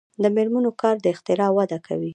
د میرمنو کار د اختراع وده کوي.